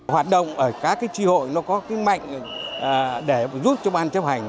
hoạt động ở các tri hội nó có cái mạnh để giúp cho ban chấp hành